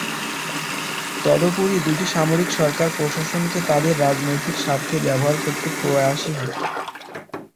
তদুপরি দুটি সামরিক সরকার প্রশাসনকে তাদের রাজনৈতিক স্বার্থে ব্যবহার করতে প্রয়াসী হয়।